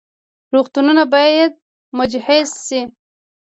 روغتونونه باید مجهز شي